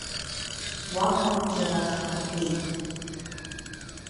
Уаҳагь џьара дҳамбеит.